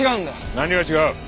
何が違う。